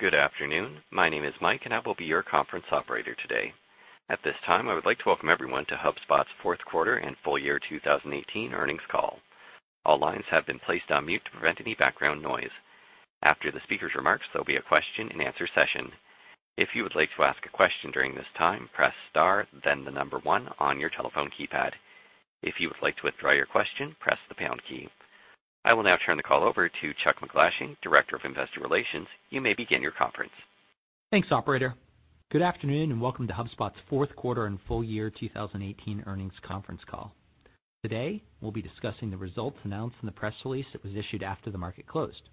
Good afternoon. My name is Mike and I will be your conference operator today. At this time, I would like to welcome everyone to HubSpot's fourth quarter and full-year 2018 earnings call. All lines have been placed on mute to prevent any background noise. After the speaker's remarks, there'll be a question-and-answer session. If you would like to ask a question during this time, press star then the number one on your telephone keypad. If you would like to withdraw your question, press the pound key. I will now turn the call over to Chuck MacGlashing, Director of Investor Relations. You may begin your conference. Thanks, operator. Good afternoon and welcome to HubSpot's fourth quarter and full-year 2018 earnings conference call. Today, we'll be discussing the results announced in the press release that was issued after the market closed.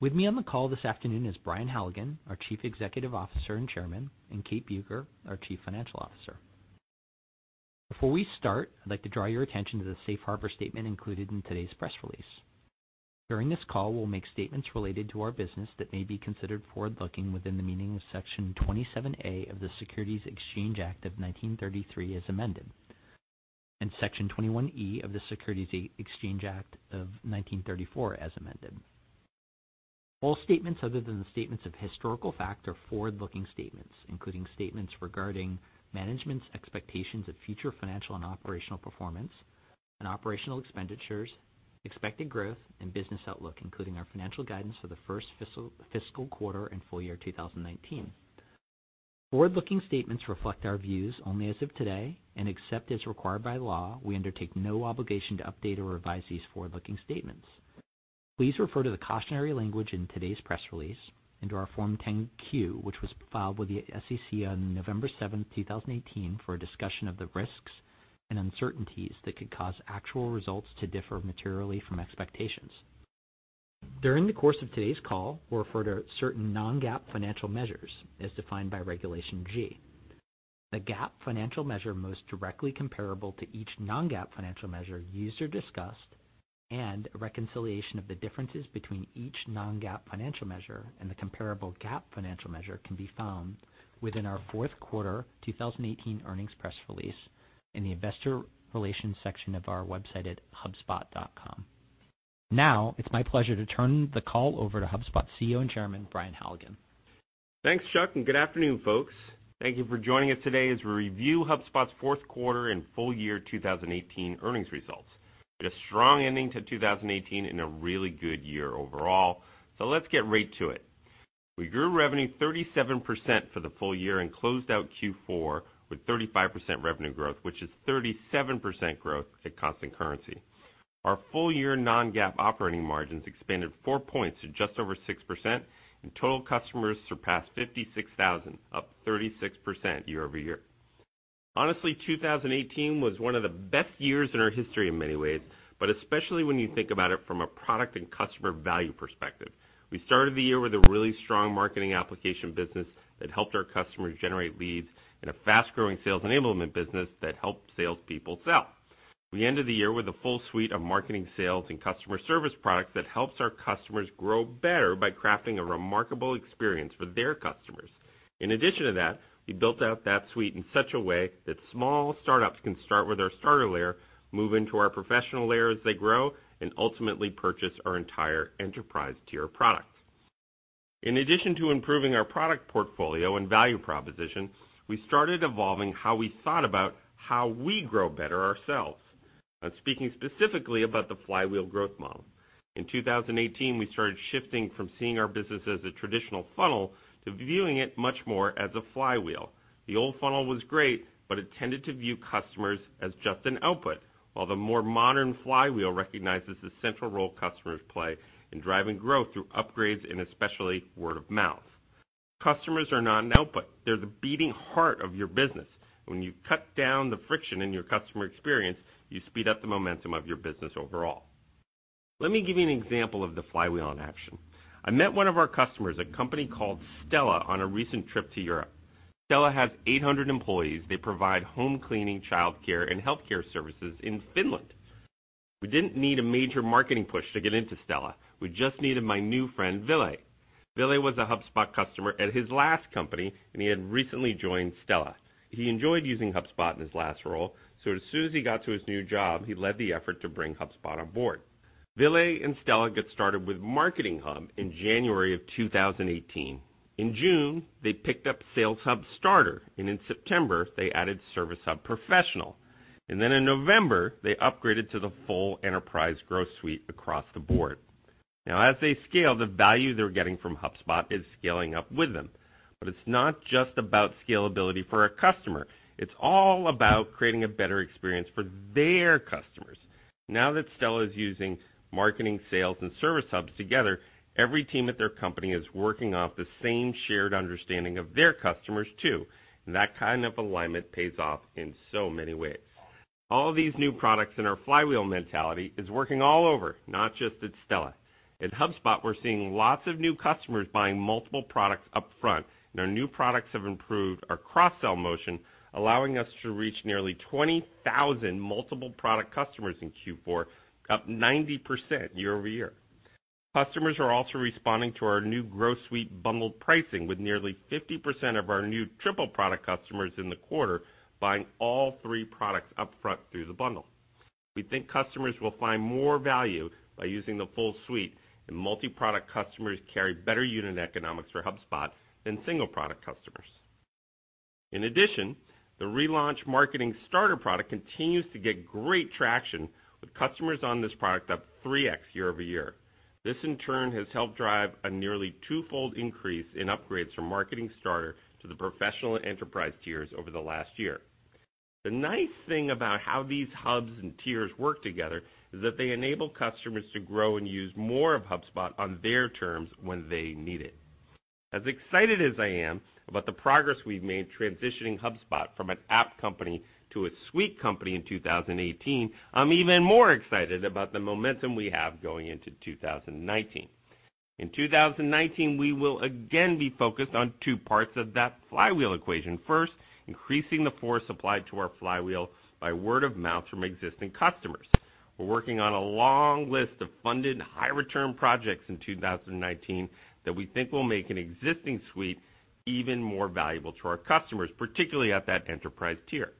With me on the call this afternoon is Brian Halligan, our Chief Executive Officer and Chairman, and Kate Bueker, our Chief Financial Officer. Before we start, I'd like to draw your attention to the safe harbor statement included in today's press release. During this call, we'll make statements related to our business that may be considered forward-looking within the meaning of Section 27A of the Securities Act of 1933 as amended, and Section 21E of the Securities Exchange Act of 1934 as amended. All statements other than the statements of historical fact are forward-looking statements, including statements regarding management's expectations of future financial and operational performance and operational expenditures, expected growth, and business outlook, including our financial guidance for the first fiscal quarter and full-year 2019. Forward-looking statements reflect our views only as of today, and except as required by law, we undertake no obligation to update or revise these forward-looking statements. Please refer to the cautionary language in today's press release into our Form 10-Q, which was filed with the SEC on November 7th, 2018, for a discussion of the risks and uncertainties that could cause actual results to differ materially from expectations. During the course of today's call, we'll refer to certain non-GAAP financial measures as defined by Regulation G. The GAAP financial measure most directly comparable to each non-GAAP financial measure used or discussed, and a reconciliation of the differences between each non-GAAP financial measure and the comparable GAAP financial measure can be found within our fourth quarter 2018 earnings press release in the investor relations section of our website at hubspot.com. Now, it's my pleasure to turn the call over to HubSpot CEO and Chairman, Brian Halligan. Thanks, Chuck, and good afternoon, folks. Thank you for joining us today as we review HubSpot's fourth quarter and full-year 2018 earnings results. It's a strong ending to 2018 and a really good year overall. Let's get right to it. We grew revenue 37% for the full-year and closed out Q4 with 35% revenue growth, which is 37% growth at constant currency. Our full-year non-GAAP operating margins expanded four points to just over 6%, and total customers surpassed 56,000, up 36% year-over-year. Honestly, 2018 was one of the best years in our history in many ways, but especially when you think about it from a product and customer value perspective. We started the year with a really strong marketing application business that helped our customers generate leads and a fast-growing sales enablement business that helped salespeople sell. We ended the year with a full suite of Marketing Hub, Sales Hub, and Service Hub products that helps our customers grow better by crafting a remarkable experience for their customers. In addition to that, we built out that suite in such a way that small startups can start with our Starter layer, move into our Professional layer as they grow, and ultimately purchase our entire Enterprise-tier product. In addition to improving our product portfolio and value proposition, we started evolving how we thought about how we grow better ourselves. I'm speaking specifically about the flywheel growth model. In 2018, we started shifting from seeing our business as a traditional funnel to viewing it much more as a flywheel. The old funnel was great, but it tended to view customers as just an output, while the more modern flywheel recognizes the central role customers play in driving growth through upgrades and especially word of mouth. Customers are not an output. They're the beating heart of your business. When you cut down the friction in your customer experience, you speed up the momentum of your business overall. Let me give you an example of the flywheel in action. I met one of our customers, a company called Stella, on a recent trip to Europe. Stella has 800 employees. They provide home cleaning, childcare, and healthcare services in Finland. We didn't need a major marketing push to get into Stella. We just needed my new friend, Ville. Ville was a HubSpot customer at his last company, and he had recently joined Stella. He enjoyed using HubSpot in his last role, as soon as he got to his new job, he led the effort to bring HubSpot on board. Ville and Stella got started with Marketing Hub in January of 2018. In June, they picked up Sales Hub Starter, in September, they added Service Hub Professional. In November, they upgraded to the full Enterprise Growth Suite across the board. As they scale, the value they're getting from HubSpot is scaling up with them. It's not just about scalability for a customer. It's all about creating a better experience for their customers. Now that Stella is using Marketing Hub, Sales Hub, and Service Hub together, every team at their company is working off the same shared understanding of their customers, too. That kind of alignment pays off in so many ways. All these new products in our flywheel mentality is working all over, not just at Stella. At HubSpot, we are seeing lots of new customers buying multiple products up front. Our new products have improved our cross-sell motion, allowing us to reach nearly 20,000 multiple-product customers in Q4, up 90% year-over-year. Customers are also responding to our new Growth Suite bundled pricing, with nearly 50% of our new triple-product customers in the quarter buying all three products up front through the bundle. We think customers will find more value by using the full suite. Multi-product customers carry better unit economics for HubSpot than single-product customers. In addition, the relaunched Marketing Starter product continues to get great traction, with customers on this product up 3x year-over-year. This, in turn, has helped drive a nearly twofold increase in upgrades from Marketing Starter to the professional and enterprise tiers over the last year. The nice thing about how these hubs and tiers work together is that they enable customers to grow and use more of HubSpot on their terms when they need it. As excited as I am about the progress we have made transitioning HubSpot from an app company to a suite company in 2018, I am even more excited about the momentum we have going into 2019. In 2019, we will again be focused on two parts of that flywheel equation. First, increasing the force applied to our flywheel by word of mouth from existing customers. We are working on a long list of funded, high-return projects in 2019 that we think will make an existing suite even more valuable to our customers, particularly at that enterprise tier.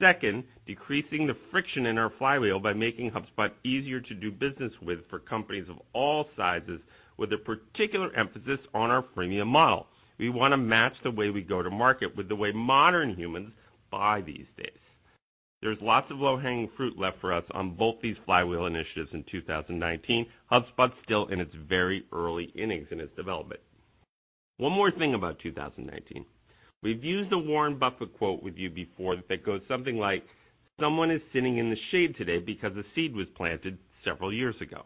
Second, decreasing the friction in our flywheel by making HubSpot easier to do business with for companies of all sizes, with a particular emphasis on our freemium model. We want to match the way we go to market with the way modern humans buy these days. There is lots of low-hanging fruit left for us on both these flywheel initiatives in 2019. HubSpot is still in its very early innings in its development. One more thing about 2019. We have used a Warren Buffett quote with you before that goes something like, "Someone is sitting in the shade today because a seed was planted several years ago."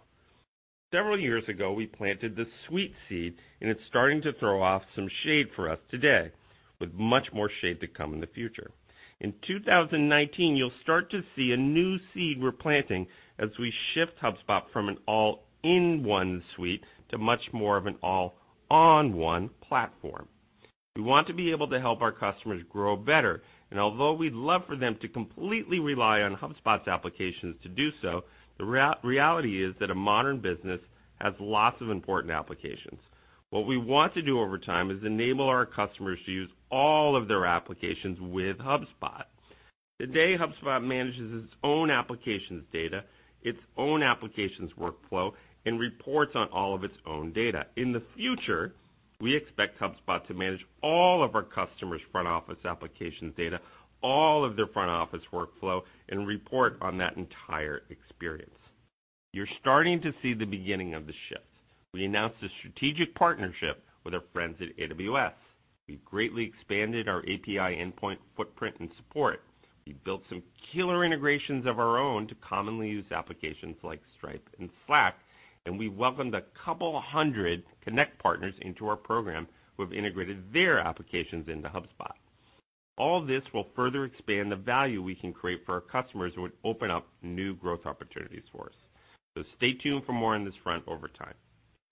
Several years ago, we planted the suite seed. It is starting to throw off some shade for us today, with much more shade to come in the future. In 2019, you will start to see a new seed we are planting as we shift HubSpot from an all-in-one suite to much more of an all-on-one platform. We want to be able to help our customers grow better. Although we would love for them to completely rely on HubSpot's applications to do so, the reality is that a modern business has lots of important applications. What we want to do over time is enable our customers to use all of their applications with HubSpot. Today, HubSpot manages its own applications data, its own applications workflow, and reports on all of its own data. In the future, we expect HubSpot to manage all of our customers' front office applications data, all of their front office workflow, and report on that entire experience. You are starting to see the beginning of the shift. We announced a strategic partnership with our friends at AWS. We've greatly expanded our API endpoint footprint and support. We built some killer integrations of our own to commonly used applications like Stripe and Slack, and we welcomed a couple hundred Connect partners into our program, who have integrated their applications into HubSpot. All this will further expand the value we can create for our customers and would open up new growth opportunities for us. Stay tuned for more on this front over time.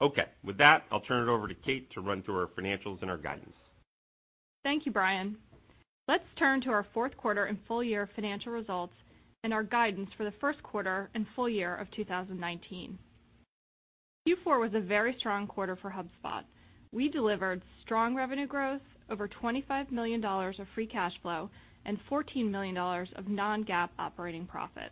Okay. With that, I'll turn it over to Kate to run through our financials and our guidance. Thank you, Brian. Let's turn to our fourth quarter and full-year financial results and our guidance for the first quarter and full-year of 2019. Q4 was a very strong quarter for HubSpot. We delivered strong revenue growth, over $25 million of free cash flow, and $14 million of non-GAAP operating profit.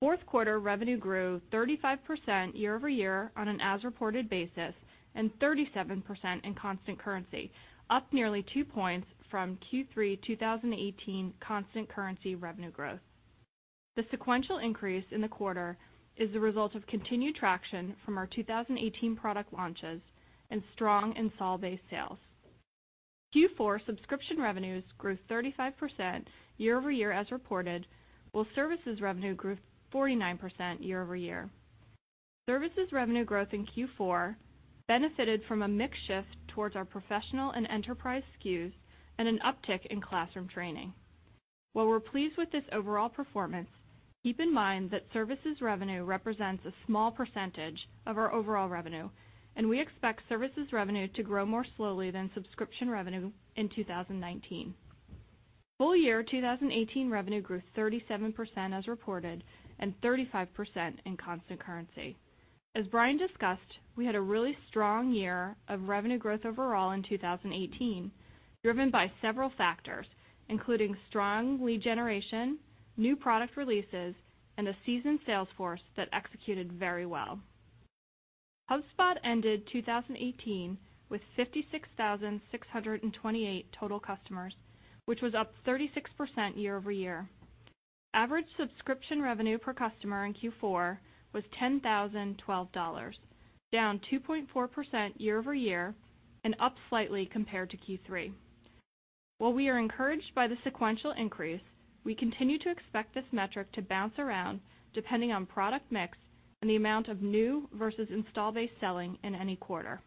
Fourth quarter revenue grew 35% year-over-year on an as-reported basis, and 37% in constant currency, up nearly two points from Q3 2018 constant currency revenue growth. The sequential increase in the quarter is the result of continued traction from our 2018 product launches and strong install-based sales. Q4 subscription revenues grew 35% year-over-year as reported, while services revenue grew 49% year-over-year. Services revenue growth in Q4 benefited from a mix shift towards our professional and Enterprise SKUs and an uptick in classroom training. While we're pleased with this overall performance, keep in mind that services revenue represents a small percentage of our overall revenue, and we expect services revenue to grow more slowly than subscription revenue in 2019. full-year 2018 revenue grew 37% as reported and 35% in constant currency. As Brian discussed, we had a really strong year of revenue growth overall in 2018, driven by several factors, including strong lead generation, new product releases, and a seasoned sales force that executed very well. HubSpot ended 2018 with 56,628 total customers, which was up 36% year-over-year. Average subscription revenue per customer in Q4 was $10,012, down 2.4% year-over-year and up slightly compared to Q3. While we are encouraged by the sequential increase, we continue to expect this metric to bounce around depending on product mix and the amount of new versus install-based selling in any quarter.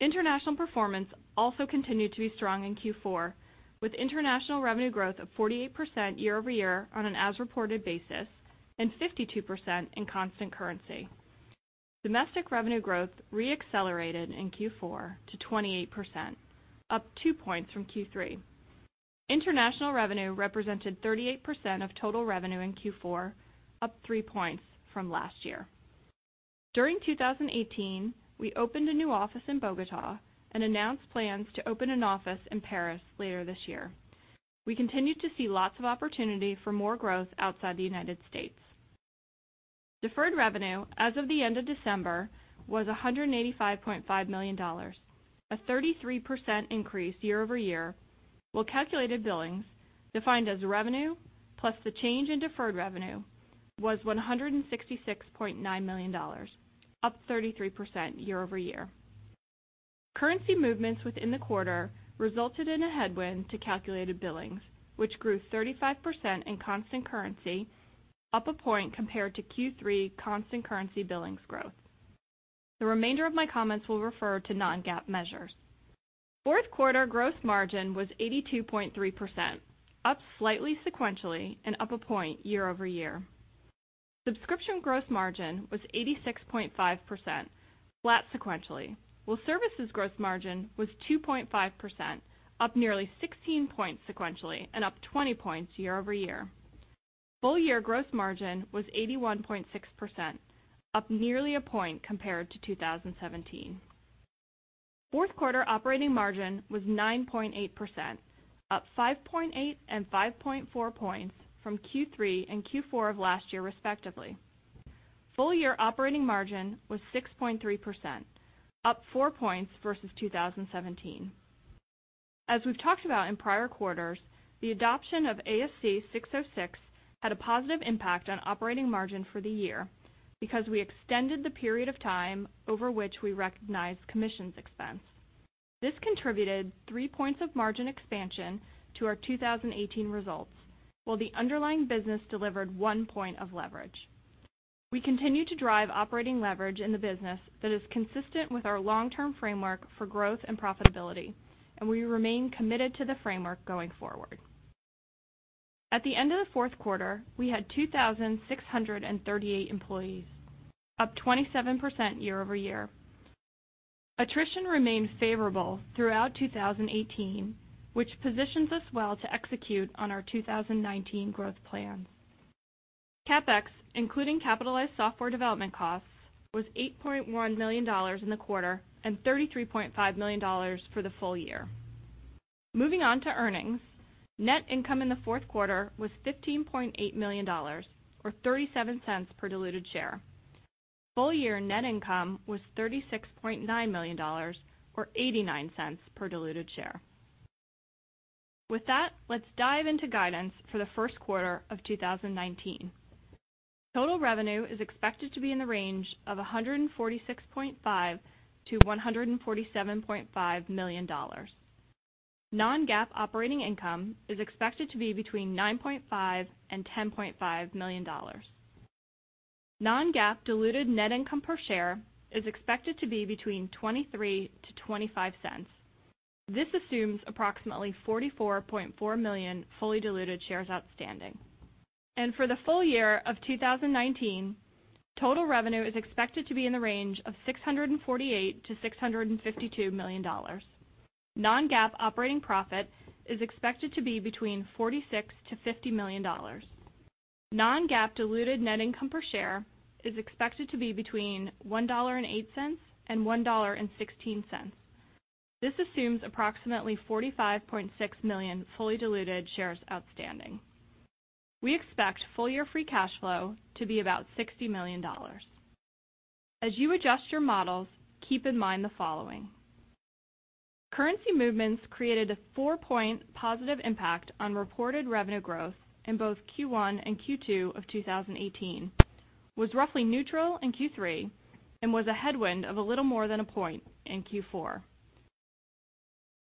International performance also continued to be strong in Q4, with international revenue growth of 48% year-over-year on an as-reported basis, and 52% in constant currency. Domestic revenue growth re-accelerated in Q4 to 28%, up two points from Q3. International revenue represented 38% of total revenue in Q4, up three points from last year. During 2018, we opened a new office in Bogotá and announced plans to open an office in Paris later this year. We continue to see lots of opportunity for more growth outside the United States. Deferred revenue as of the end of December was $185.5 million, a 33% increase year-over-year, while calculated billings, defined as revenue plus the change in deferred revenue, was $166.9 million, up 33% year-over-year. Currency movements within the quarter resulted in a headwind to calculated billings, which grew 35% in constant currency, up a point compared to Q3 constant currency billings growth. The remainder of my comments will refer to non-GAAP measures. Fourth quarter gross margin was 82.3%, up slightly sequentially and up a point year-over-year. Subscription gross margin was 86.5%, flat sequentially, while services gross margin was 2.5%, up nearly 16 points sequentially and up 20 points year-over-year. full-year gross margin was 81.6%, up nearly a point compared to 2017. Fourth quarter operating margin was 9.8%, up 5.8 and 5.4 points from Q3 and Q4 of last year respectively. full-year operating margin was 6.3%, up four points versus 2017. As we've talked about in prior quarters, the adoption of ASC 606 had a positive impact on operating margin for the year, because we extended the period of time over which we recognized commissions expense. This contributed three points of margin expansion to our 2018 results, while the underlying business delivered one point of leverage. We continue to drive operating leverage in the business that is consistent with our long-term framework for growth and profitability and we remain committed to the framework going forward. At the end of the fourth quarter, we had 2,638 employees, up 27% year-over-year. Attrition remained favorable throughout 2018, which positions us well to execute on our 2019 growth plans. CapEx, including capitalized software development costs, was $8.1 million in the quarter and $33.5 million for the full-year. Moving on to earnings, net income in the fourth quarter was $15.8 million, or $0.37 per diluted share. full-year net income was $36.9 million, or $0.89 per diluted share. With that, let's dive into guidance for the first quarter of 2019. Total revenue is expected to be in the range of $146.5 million-$147.5 million. Non-GAAP operating income is expected to be between $9.5 million and $10.5 million. Non-GAAP diluted net income per share is expected to be between $0.23-$0.25. This assumes approximately 44.4 million fully diluted shares outstanding. For the full-year of 2019, total revenue is expected to be in the range of $648 million-$652 million. Non-GAAP operating profit is expected to be between $46 million-$50 million. Non-GAAP diluted net income per share is expected to be between $1.08 and $1.16. This assumes approximately 45.6 million fully diluted shares outstanding. We expect full-year free cash flow to be about $60 million. As you adjust your models, keep in mind the following. Currency movements created a four-point positive impact on reported revenue growth in both Q1 and Q2 of 2018, was roughly neutral in Q3, and was a headwind of a little more than a point in Q4.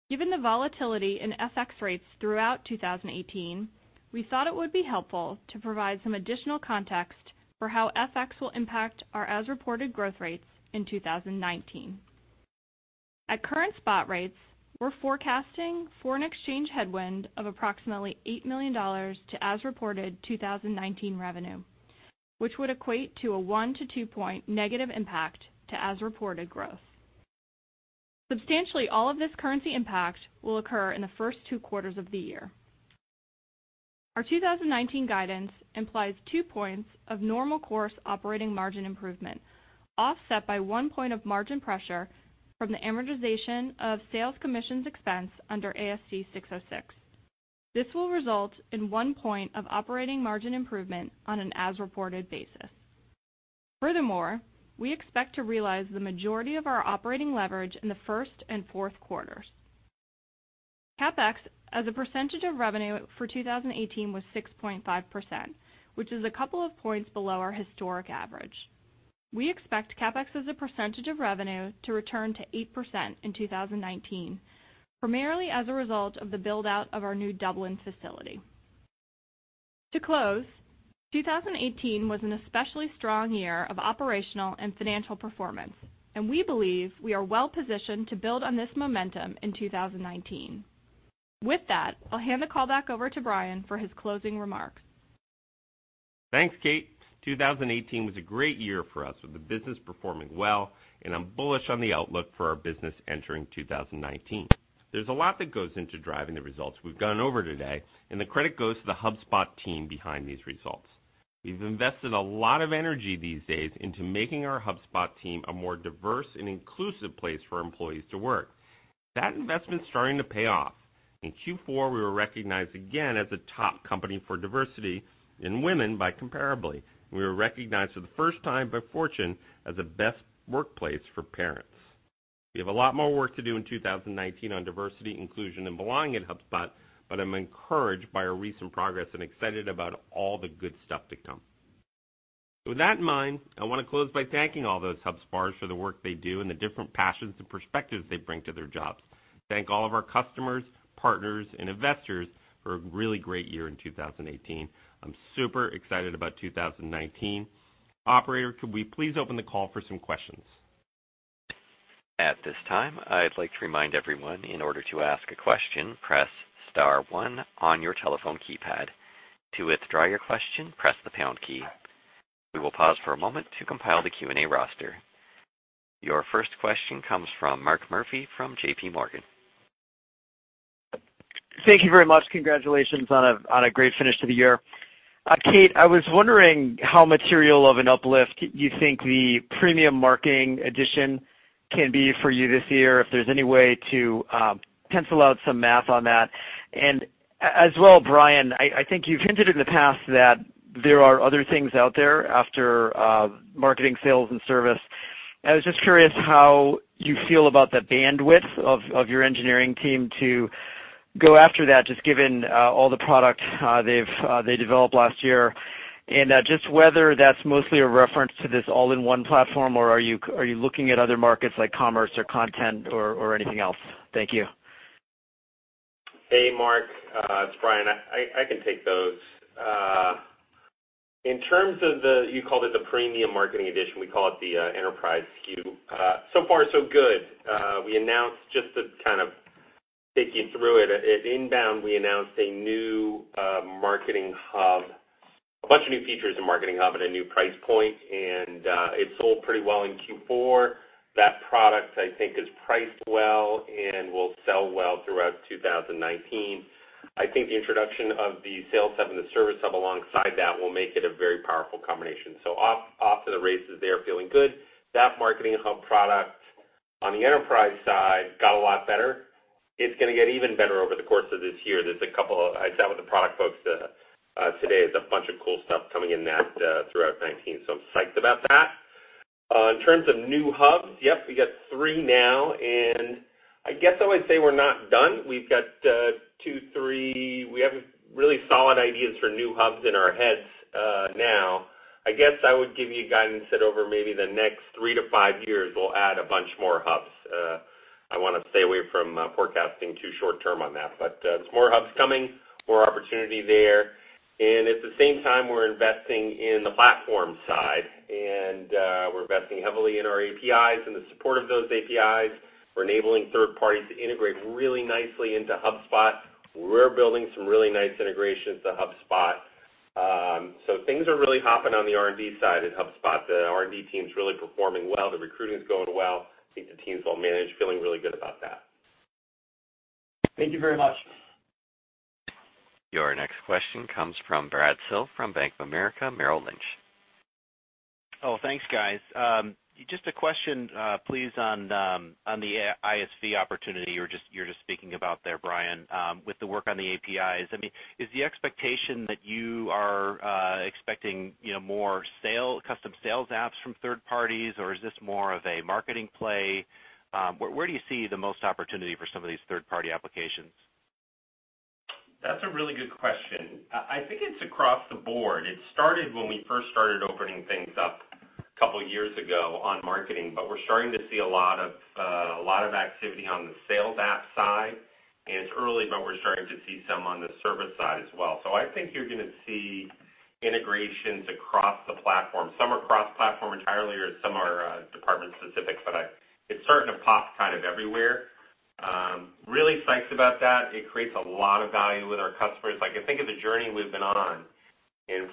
Given the volatility in FX rates throughout 2018, we thought it would be helpful to provide some additional context for how FX will impact our as-reported growth rates in 2019. At current spot rates, we're forecasting for an exchange headwind of approximately $8 million to as-reported 2019 revenue, which would equate to a one- to two-point negative impact to as-reported growth. Substantially all of this currency impact will occur in the first two quarters of the year. Our 2019 guidance implies two points of normal course operating margin improvement, offset by one point of margin pressure from the amortization of sales commissions expense under ASC 606. This will result in one point of operating margin improvement on an as-reported basis. Furthermore, we expect to realize the majority of our operating leverage in the first and fourth quarters. CapEx as a percentage of revenue for 2018 was 6.5%, which is a couple of points below our historic average. We expect CapEx as a percentage of revenue to return to 8% in 2019, primarily as a result of the build-out of our new Dublin facility. To close, 2018 was an especially strong year of operational and financial performance, and we believe we are well positioned to build on this momentum in 2019. With that, I'll hand the call back over to Brian for his closing remarks. Thanks, Kate. 2018 was a great year for us, with the business performing well, and I'm bullish on the outlook for our business entering 2019. There's a lot that goes into driving the results we've gone over today, and the credit goes to the HubSpot team behind these results. We've invested a lot of energy these days into making our HubSpot team a more diverse and inclusive place for employees to work. That investment's starting to pay off. In Q4, we were recognized again as a top company for diversity in women by Comparably. We were recognized for the first time by Fortune as a best workplace for parents. We have a lot more work to do in 2019 on diversity, inclusion, and belonging at HubSpot, but I'm encouraged by our recent progress and excited about all the good stuff to come. With that in mind, I want to close by thanking all those HubSpotters for the work they do and the different passions and perspectives they bring to their jobs, thank all of our customers, partners, and investors for a really great year in 2018. I'm super excited about 2019. Operator, could we please open the call for some questions? At this time, I'd like to remind everyone, in order to ask a question, press star one on your telephone keypad. To withdraw your question, press the pound key. We will pause for a moment to compile the Q&A roster. Your first question comes from Mark Murphy from JPMorgan. Thank you very much. Congratulations on a great finish to the year. Kate, I was wondering how material of an uplift you think the premium marketing edition can be for you this year, if there's any way to pencil out some math on that. As well, Brian, I think you've hinted in the past that there are other things out there after marketing, sales, and service. I was just curious how you feel about the bandwidth of your engineering team to go after that, just given all the product they developed last year, and just whether that's mostly a reference to this all-in-one platform, or are you looking at other markets like commerce or content or anything else? Thank you. Hey, Mark. It's Brian. I can take those. In terms of the, you called it the premium marketing edition, we call it the Enterprise SKU. So far so good. We announced, just to kind of take you through it, at INBOUND, we announced a new Marketing Hub, a bunch of new features in Marketing Hub at a new price point, and it sold pretty well in Q4. That product, I think, is priced well and will sell well throughout 2019. I think the introduction of the Sales Hub and the Service Hub alongside that will make it a very powerful combination. Off to the races there, feeling good. That Marketing Hub product on the enterprise side got a lot better. It's going to get even better over the course of this year. I sat with the product folks today, there's a bunch of cool stuff coming in that throughout 2019, I'm psyched about that. In terms of new hubs, yep, we got three now. I guess I would say we're not done. We have really solid ideas for new hubs in our heads now. I guess I would give you guidance that over maybe the next three to five years, we'll add a bunch more hubs. I want to stay away from forecasting too short-term on that, but there's more hubs coming, more opportunity there. At the same time, we're investing in the platform side, and we're investing heavily in our APIs and the support of those APIs. We're enabling third parties to integrate really nicely into HubSpot. We're building some really nice integrations to HubSpot. Things are really hopping on the R&D side at HubSpot. The R&D team's really performing well. The recruiting's going well. I think the team's well-managed, feeling really good about that. Thank you very much. Your next question comes from Brad Sills from Bank of America Merrill Lynch. Oh, thanks, guys. Just a question, please, on the ISV opportunity you were just speaking about there, Brian, with the work on the APIs. Is the expectation that you are expecting more custom sales apps from third parties, or is this more of a marketing play? Where do you see the most opportunity for some of these third-party applications? That's a really good question. I think it's across the board. It started when we first started opening things up a couple of years ago on marketing, but we're starting to see a lot of activity on the sales app side, and it's early, but we're starting to see some on the service side as well. I think you're going to see integrations across the platform. Some are cross-platform entirely or some are department-specific. It's starting to pop kind of everywhere. Really psyched about that. It creates a lot of value with our customers.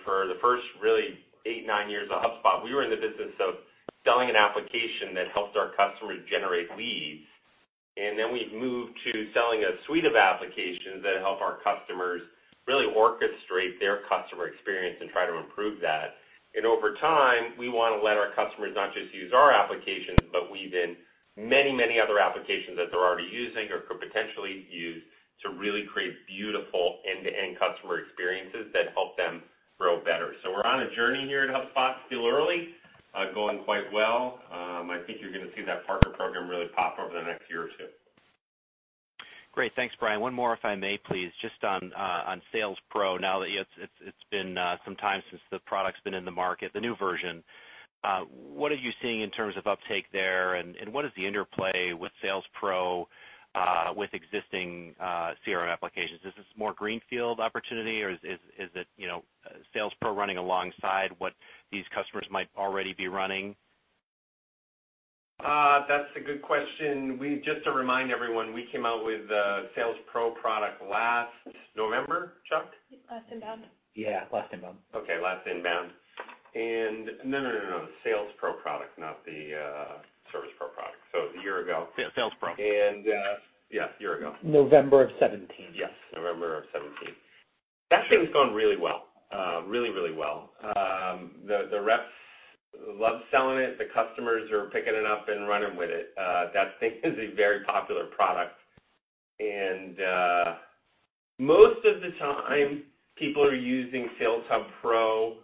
For the first really eight, nine years of HubSpot, we were in the business of selling an application that helped our customers generate leads, then we've moved to selling a suite of applications that help our customers really orchestrate their customer experience and try to improve that. Over time, we want to let our customers not just use our applications, but weave in many other applications that they're already using or could potentially use to really create beautiful end-to-end customer experiences that help them grow better. We're on a journey here at HubSpot. Still early. Going quite well. I think you're going to see that partner program really pop over the next year or two. Great. Thanks, Brian. One more if I may, please. Just on Sales Pro, now that it's been some time since the product's been in the market, the new version. What are you seeing in terms of uptake there, and what is the interplay with Sales Pro with existing CRM applications? Is this more greenfield opportunity, or is it Sales Pro running alongside what these customers might already be running? That's a good question. To remind everyone, we came out with the Sales Pro product last November, Chuck? Last INBOUND. Yeah, last INBOUND. Okay, last INBOUND. No. The Sales Pro product, not the Service Pro product. A year ago. Yeah, Sales Pro. Yeah, a year ago. November of 2017. Yes, November of 2017. That thing's gone really well. Really, really well. The reps love selling it, the customers are picking it up and running with it. That thing is a very popular product. Most of the time, people are using Sales Hub Pro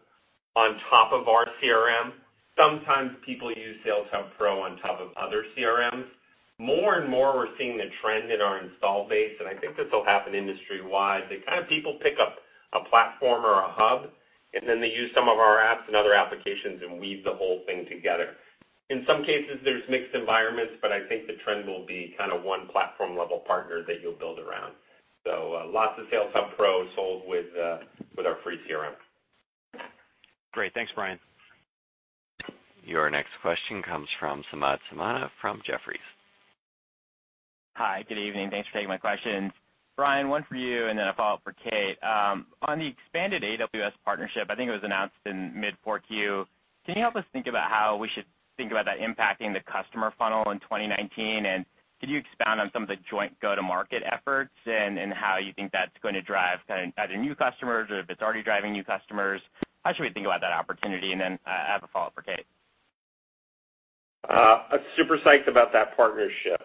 on top of our CRM. Sometimes people use Sales Hub Pro on top of other CRMs. More and more, we're seeing the trend in our install base, I think this'll happen industry-wide, that kind of people pick up a platform or a hub, and then they use some of our apps and other applications and weave the whole thing together. In some cases, there's mixed environments, but I think the trend will be one platform-level partner that you'll build around. Lots of Sales Hub Pro sold with our free CRM. Great. Thanks, Brian. Your next question comes from Samad Samana from Jefferies. Hi, good evening. Thanks for taking my questions. Brian, one for you, then a follow-up for Kate. On the expanded AWS partnership, I think it was announced in mid-4Q, can you help us think about how we should think about that impacting the customer funnel in 2019? Could you expound on some of the joint go-to-market efforts, and how you think that's going to drive kind of either new customers or if it's already driving new customers? How should we think about that opportunity? I have a follow-up for Kate. I'm super psyched about that partnership.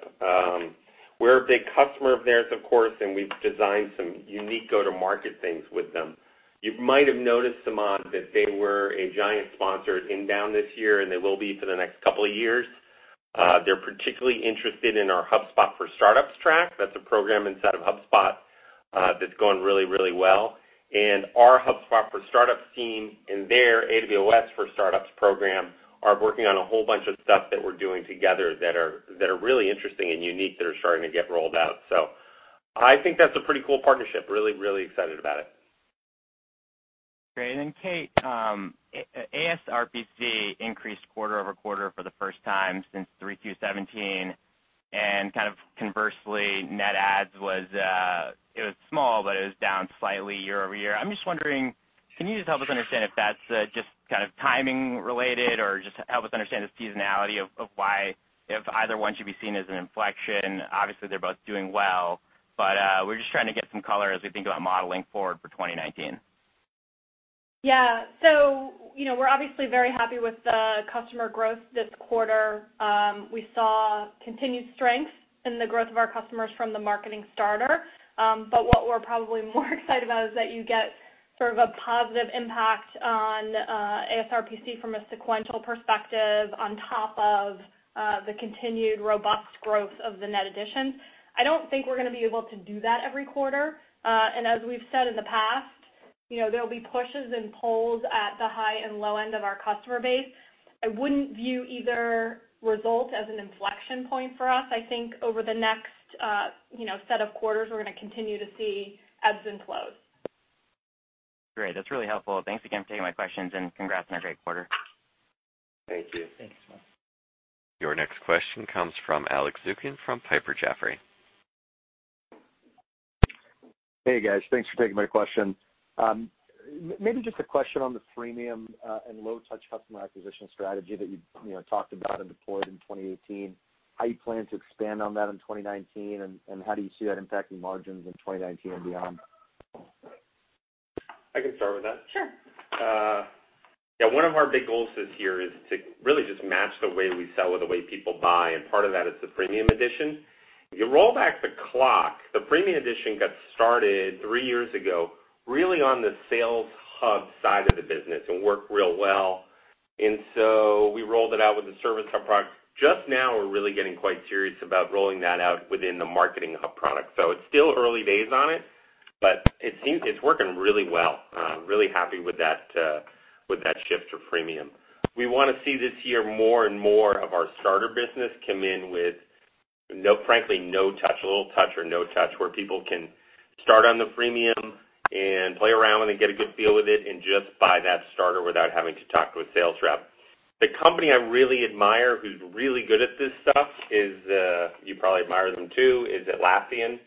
We're a big customer of theirs, of course, and we've designed some unique go-to-market things with them. You might have noticed, Samad, that they were a giant sponsor at INBOUND this year, and they will be for the next couple of years. They're particularly interested in our HubSpot for Startups track. That's a program inside of HubSpot that's going really, really well. Our HubSpot for Startups team and their AWS for Startups program are working on a whole bunch of stuff that we're doing together that are really interesting and unique that are starting to get rolled out. I think that's a pretty cool partnership. Really, really excited about it. Great. Kate, ASRPC increased quarter-over-quarter for the first time since 3Q 2017, kind of conversely, net adds was small, but it was down slightly year-over-year. I'm just wondering, can you just help us understand if that's just kind of timing related, or just help us understand the seasonality of why, if either one should be seen as an inflection? Obviously, they're both doing well, but we're just trying to get some color as we think about modeling forward for 2019. Yeah. We're obviously very happy with the customer growth this quarter. We saw continued strength in the growth of our customers from the marketing starter. What we're probably more excited about is that you get sort of a positive impact on ASRPC from a sequential perspective on top of the continued robust growth of the net additions. I don't think we're going to be able to do that every quarter. As we've said in the past, there'll be pushes and pulls at the high and low end of our customer base. I wouldn't view either result as an inflection point for us. I think over the next set of quarters, we're going to continue to see ebbs and flows. Great. That's really helpful. Thanks again for taking my questions. Congrats on a great quarter. Thank you. Thanks, Samad. Your next question comes from Alex Zukin from Piper Jaffray. Hey, guys. Thanks for taking my question. Maybe just a question on the freemium, and low-touch customer acquisition strategy that you talked about and deployed in 2018, how you plan to expand on that in 2019, and how do you see that impacting margins in 2019 and beyond? I can start with that. Sure. Yeah, one of our big goals this year is to really just match the way we sell with the way people buy, and part of that is the freemium edition. You roll back the clock, the freemium edition got started three years ago, really on the Sales Hub side of the business and worked real well. We rolled it out with the Service Hub product. Just now, we're really getting quite serious about rolling that out within the Marketing Hub product. It's still early days on it, but it's working really well. Really happy with that shift to freemium. We want to see this year more and more of our starter business come in with, frankly, no touch, a little touch or no touch, where people can start on the freemium and play around and get a good feel with it and just buy that starter without having to talk to a sales rep. The company I really admire who's really good at this stuff is, you probably admire them, too, is Atlassian.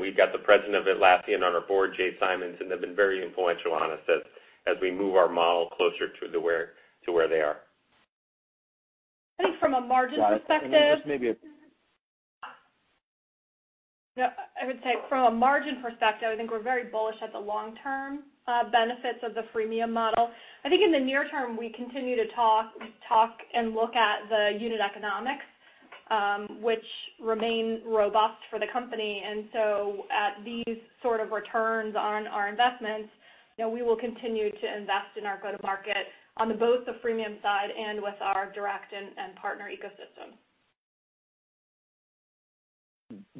We've got the president of Atlassian on our board, Jay Simons, and they've been very influential on us as we move our model closer to where they are. I think from a margin perspective. Then just maybe a. No, I would say from a margin perspective, I think we're very bullish at the long-term benefits of the freemium model. I think in the near term, we continue to talk and look at the unit economics, which remain robust for the company. So at these sort of returns on our investments, we will continue to invest in our go-to-market on both the freemium side and with our direct and partner ecosystem.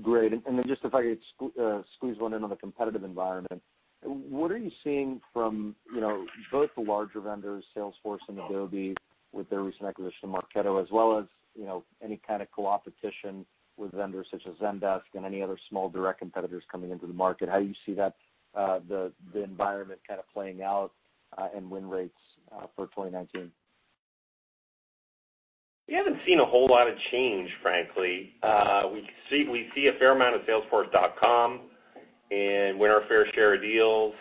Great. Then just if I could squeeze one in on the competitive environment. What are you seeing from both the larger vendors, Salesforce and Adobe, with their recent acquisition of Marketo, as well as any kind of coopetition with vendors such as Zendesk and any other small direct competitors coming into the market? How do you see the environment kind of playing out, and win rates, for 2019? We haven't seen a whole lot of change, frankly. We see a fair amount of salesforce.com and win our fair share of deals.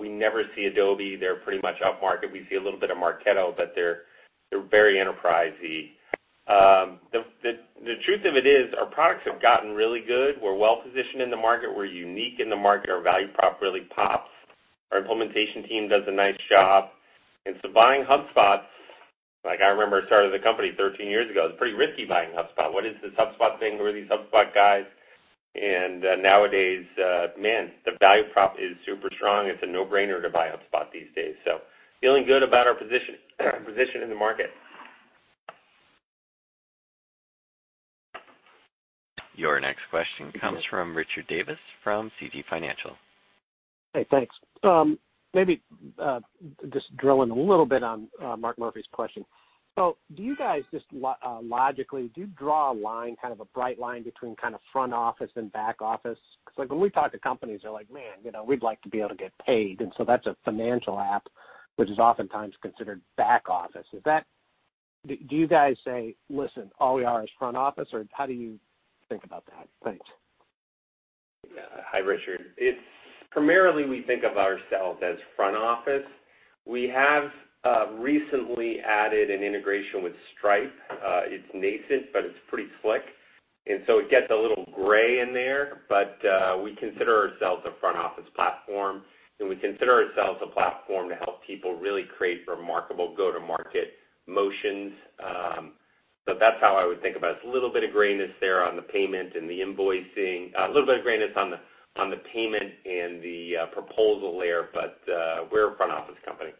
We never see Adobe. They're pretty much up market. We see a little bit of Marketo, but they're very enterprise-y. The truth of it is, our products have gotten really good. We're well-positioned in the market. We're unique in the market. Our value prop really pops. Our implementation team does a nice job. Buying HubSpot, I remember the start of the company 13 years ago, it was pretty risky buying HubSpot. What is this HubSpot thing? Who are these HubSpot guys? Nowadays, man, the value prop is super strong. It's a no-brainer to buy HubSpot these days. Feeling good about our position in the market. Your next question comes from Richard Davis from Canaccord Genuity. Hey, thanks. Maybe just drill in a little bit on Mark Murphy's question. Do you guys, just logically, do you draw a line, kind of a bright line, between kind of front office and back office? Because when we talk to companies, they're like, "Man, we'd like to be able to get paid." That's a financial app, which is oftentimes considered back office. Do you guys say, "Listen, all we are is front office," or how do you think about that? Thanks. Yeah. Hi, Richard. It's primarily we think of ourselves as front office. We have recently added an integration with Stripe. It's nascent, but it's pretty slick, it gets a little gray in there, but we consider ourselves a front-office platform, and we consider ourselves a platform to help people really create remarkable go-to-market motions. That's how I would think about it. It's a little bit of grayness there on the payment and the invoicing. A little bit of grayness on the payment and the proposal layer, but we're a front office company.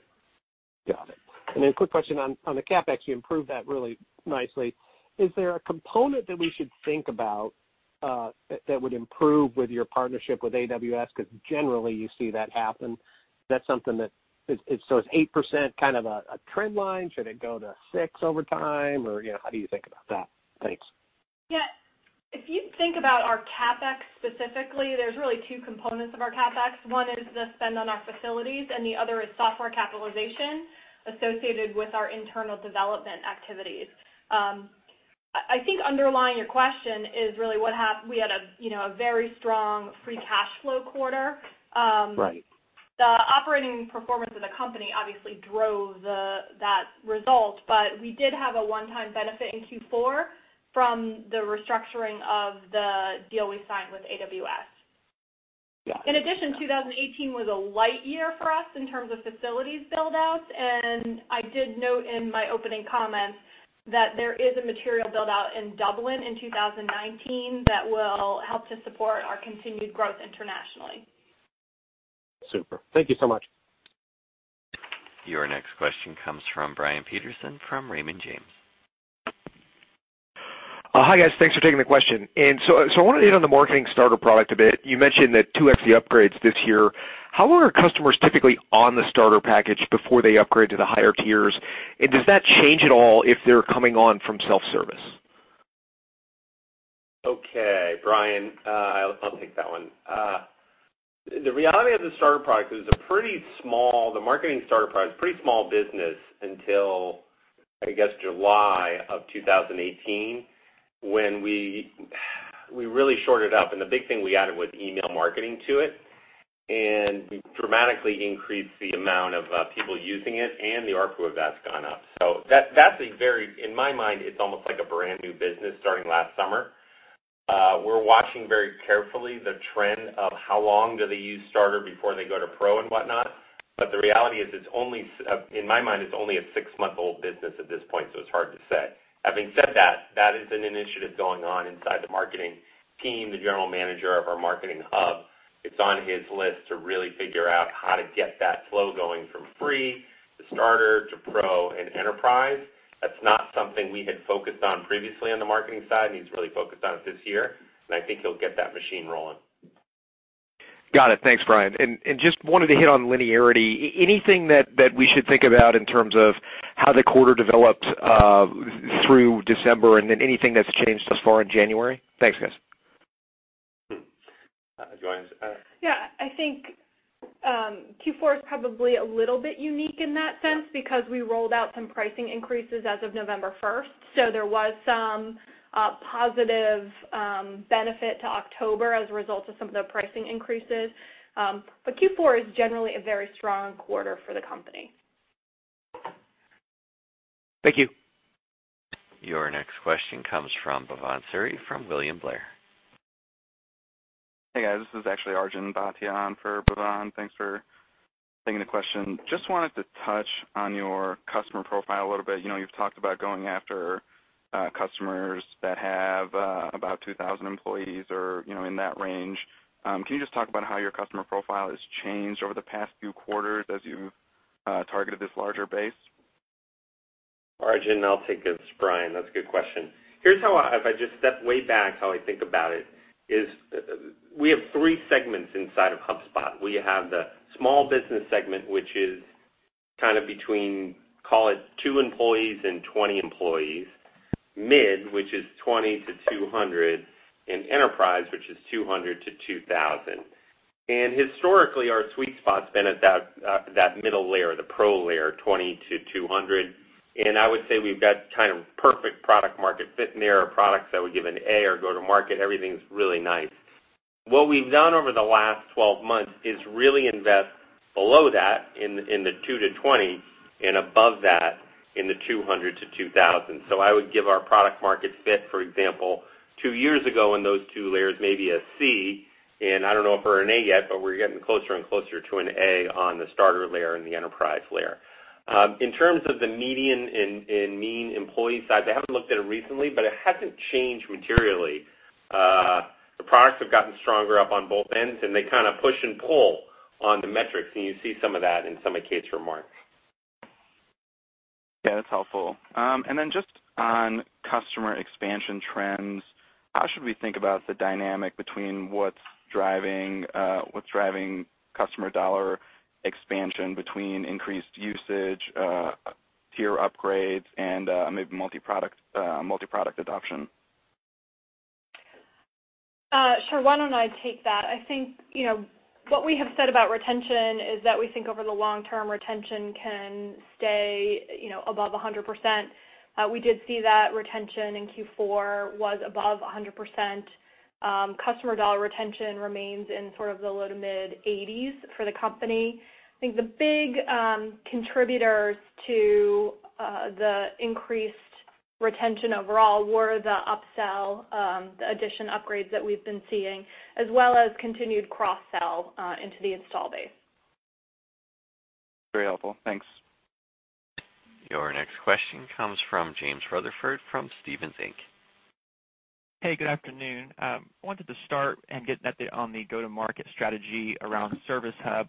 Got it. Quick question on the CapEx, you improved that really nicely. Is there a component that we should think about that would improve with your partnership with AWS? Generally you see that happen. Is 8% kind of a trend line? Should it go to six over time? Or how do you think about that? Thanks. Yeah. If you think about our CapEx specifically, there's really two components of our CapEx. One is the spend on our facilities, and the other is software capitalization associated with our internal development activities. I think underlying your question is really, we had a very strong free cash flow quarter. Right. The operating performance of the company obviously drove that result, but we did have a one-time benefit in Q4 from the restructuring of the deal we signed with AWS. In addition, 2018 was a light year for us in terms of facilities build-outs, and I did note in my opening comments that there is a material build-out in Dublin in 2019 that will help to support our continued growth internationally. Super. Thank you so much. Your next question comes from Brian Peterson from Raymond James. Hi, guys. Thanks for taking the question. I want to hit on the Marketing Starter product a bit. You mentioned that two FC upgrades this year. How are customers typically on the Starter package before they upgrade to the higher tiers? Does that change at all if they're coming on from self-service? Okay, Brian, I'll take that one. The reality of the Starter product is it was a pretty small, the Marketing Starter product is pretty small business until, I guess, July of 2018 when we really shored it up, and the big thing we added was email marketing to it. We dramatically increased the amount of people using it and the ARPU of that's gone up. That's, in my mind, it's almost like a brand-new business starting last summer. We're watching very carefully the trend of how long do they use Starter before they go to Pro and whatnot. The reality is, in my mind, it's only a six-month-old business at this point, so it's hard to say. Having said that is an initiative going on inside the marketing team, the general manager of our Marketing Hub, it's on his list to really figure out how to get that flow going from Free to Starter to Pro and Enterprise. That's not something we had focused on previously on the marketing side, and he's really focused on it this year, and I think he'll get that machine rolling. Got it. Thanks, Brian. Just wanted to hit on linearity. Anything that we should think about in terms of how the quarter developed through December and then anything that's changed thus far in January? Thanks, guys. Wanna take that? I think Q4 is probably a little bit unique in that sense because we rolled out some pricing increases as of November 1st, so there was some positive benefit to October as a result of some of the pricing increases. Q4 is generally a very strong quarter for the company. Thank you. Your next question comes from Bhavan Suri from William Blair. Hey, guys, this is actually Arjun Bhatia on for Bhavan. Thanks for taking the question. Just wanted to touch on your customer profile a little bit. You've talked about going after customers that have about 2,000 employees or in that range. Can you just talk about how your customer profile has changed over the past few quarters as you've targeted this larger base? Arjun, I'll take this. Brian, that's a good question. Here's how, if I just step way back, how I think about it is we have three segments inside of HubSpot. We have the small business segment, which is kind of between, call it two employees and 20 employees. Mid, which is 20-200, and Enterprise, which is 200-2,000. Historically, our sweet spot's been at that middle layer, the pro layer, 20-200. I would say we've got kind of perfect product market fit in there, products that we give an A or go to market. Everything's really nice. What we've done over the last 12 months is really invest below that in the 2-20 and above that in the 200-2,000. I would give our product market fit, for example, two years ago in those two layers, maybe a C. I don't know if we're an A yet, but we're getting closer and closer to an A on the starter layer and the enterprise layer. In terms of the median and mean employee size, I haven't looked at it recently, but it hasn't changed materially. The products have gotten stronger up on both ends, they kind of push and pull on the metrics, and you see some of that in some of Kate's remarks. Yeah, that's helpful. Then just on customer expansion trends, how should we think about the dynamic between what's driving customer dollar expansion between increased usage, tier upgrades, and maybe multi-product adoption? Sure. Why don't I take that? I think what we have said about retention is that we think over the long-term, retention can stay above 100%. We did see that retention in Q4 was above 100%. Customer dollar retention remains in sort of the low to mid-80s for the company. I think the big contributors to the increased retention overall were the upsell, the addition upgrades that we've been seeing, as well as continued cross-sell into the install base. Very helpful. Thanks. Your next question comes from James Rutherford from Stephens Inc. Hey, good afternoon. I wanted to start and get an update on the go-to-market strategy around Service Hub.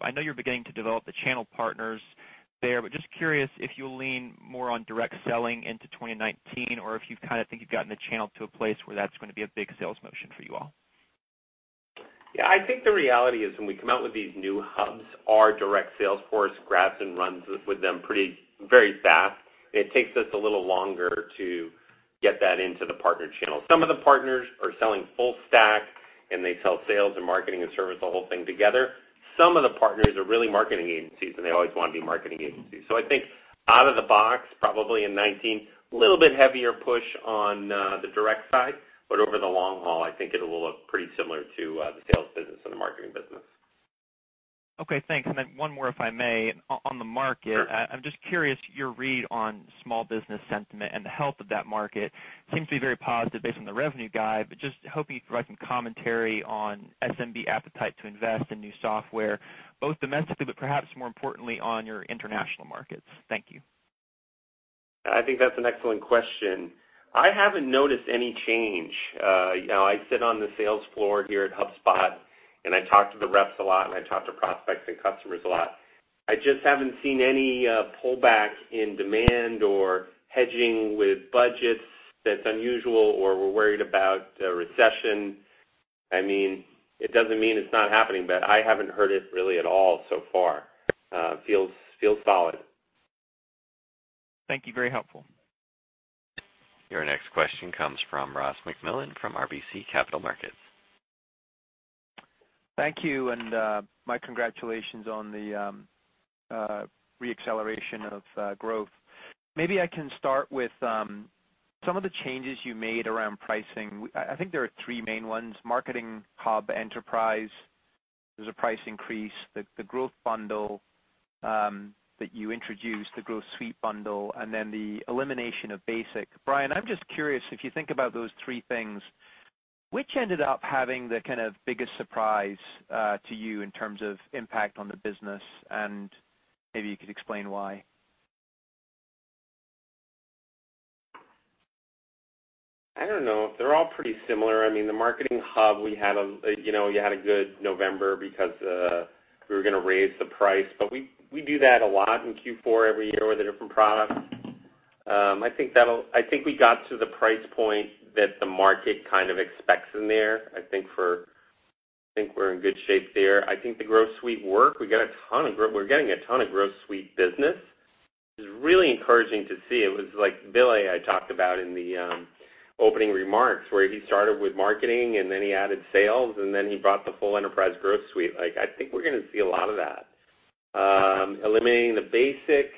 Just curious if you lean more on direct selling into 2019 or if you kind of think you've gotten the channel to a place where that's going to be a big sales motion for you all. Yeah, I think the reality is when we come out with these new hubs, our direct sales force grabs and runs with them very fast. It takes us a little longer to get that into the partner channel. Some of the partners are selling full stack, and they sell Sales and Marketing and Service, the whole thing together. Some of the partners are really Marketing agencies, and they always want to be Marketing agencies. I think out of the box, probably in 2019, little bit heavier push on the direct side, but over the long haul, I think it'll look pretty similar to the Sales business and the Marketing business. Okay, thanks. Then one more, if I may. On the market- I'm just curious, your read on small business sentiment and the health of that market seems to be very positive based on the revenue guide, just hoping you could provide some commentary on SMB appetite to invest in new software, both domestically, perhaps more importantly on your international markets. Thank you. I think that's an excellent question. I haven't noticed any change. I sit on the sales floor here at HubSpot, and I talk to the reps a lot, and I talk to prospects and customers a lot. I just haven't seen any pullback in demand or hedging with budgets that's unusual, or we're worried about a recession. It doesn't mean it's not happening, but I haven't heard it really at all so far. Feels solid. Thank you. Very helpful. Your next question comes from Ross MacMillan from RBC Capital Markets. Thank you. My congratulations on the re-acceleration of growth. Maybe I can start with some of the changes you made around pricing. I think there are three main ones, Marketing Hub Enterprise, there's a price increase, the growth bundle that you introduced, the Growth Suite bundle, and then the elimination of Basic. Brian, I'm just curious, if you think about those three things, which ended up having the kind of biggest surprise to you in terms of impact on the business? Maybe you could explain why. I don't know. They're all pretty similar. The Marketing Hub, you had a good November because we were going to raise the price, but we do that a lot in Q4 every year with the different products. I think we got to the price point that the market kind of expects in there. I think we're in good shape there. I think the Growth Suite worked. We're getting a ton of Growth Suite business, which is really encouraging to see. It was like Billy I talked about in the opening remarks, where he started with marketing, and then he added sales, and then he brought the full Enterprise Growth Suite. I think we're going to see a lot of that. Eliminating the Basic,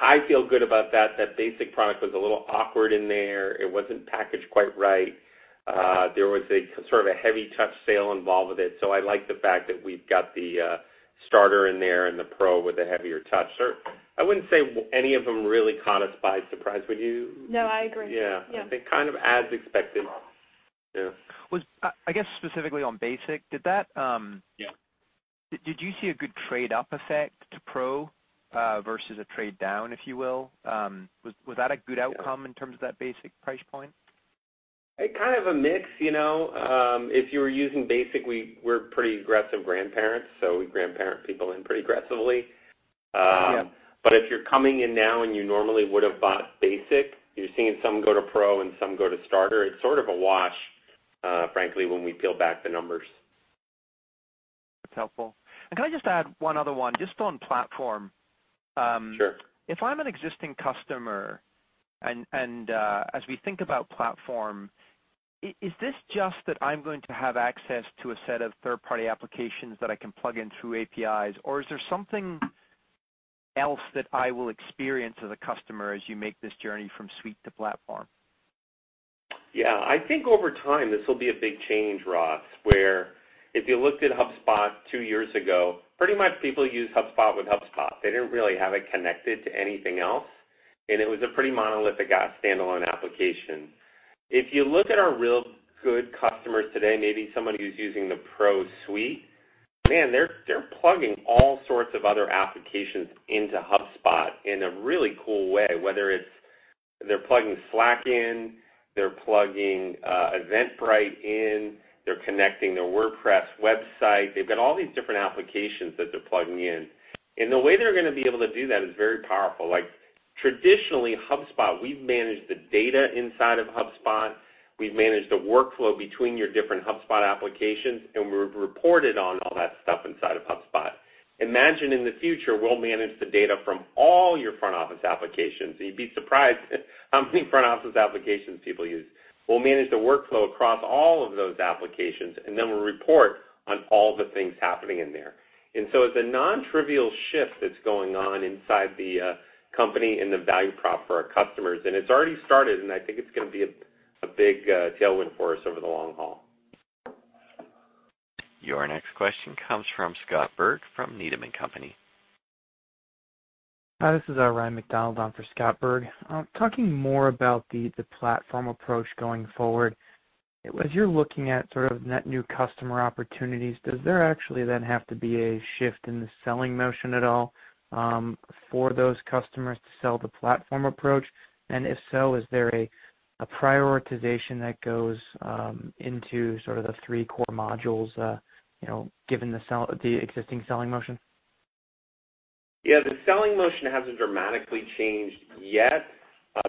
I feel good about that. That Basic product was a little awkward in there. It wasn't packaged quite right. There was a sort of a heavy touch sale involved with it. I like the fact that we've got the Starter in there and the Pro with the heavier touch. I wouldn't say any of them really caught us by surprise, would you? I agree. Yeah. I think kind of as expected. I guess specifically on Basic. Did you see a good trade-up effect to Pro, versus a trade down, if you will? Was that a good outcome in terms of that Basic price point? Kind of a mix. If you were using Basic, we're pretty aggressive grandparents, so we grandparent people in pretty aggressively. If you're coming in now and you normally would've bought Basic, you're seeing some go to Pro and some go to Starter. It's sort of a wash, frankly, when we peel back the numbers. That's helpful. Can I just add one other one, just on platform? Sure. If I'm an existing customer, and as we think about platform, is this just that I'm going to have access to a set of third-party applications that I can plug in through APIs, or is there something else that I will experience as a customer as you make this journey from suite to platform? Yeah. I think over time, this will be a big change, Ross, where if you looked at HubSpot two years ago, pretty much people used HubSpot with HubSpot. They didn't really have it connected to anything else, and it was a pretty monolithic, standalone application. If you look at our real good customers today, maybe someone who's using the pro suite, man, they're plugging all sorts of other applications into HubSpot in a really cool way, whether it's they're plugging Slack in, they're plugging Eventbrite in, they're connecting their WordPress website. They've got all these different applications that they're plugging in, and the way they're going to be able to do that is very powerful. Traditionally, HubSpot, we've managed the data inside of HubSpot, we've managed the workflow between your different HubSpot applications, and we've reported on all that stuff inside of HubSpot. Imagine in the future, we'll manage the data from all your front-office applications. You'd be surprised how many front-office applications people use. We'll manage the workflow across all of those applications, then we'll report on all the things happening in there. It's a non-trivial shift that's going on inside the company and the value prop for our customers. It's already started, and I think it's going to be a big tailwind for us over the long haul. Your next question comes from Scott Berg from Needham and Company. Hi, this is Ryan MacDonald on for Scott Berg. Talking more about the platform approach going forward, as you're looking at sort of net new customer opportunities, does there actually then have to be a shift in the selling motion at all for those customers to sell the platform approach? If so, is there a prioritization that goes into sort of the three core modules, given the existing selling motion? Yeah. The selling motion hasn't dramatically changed yet.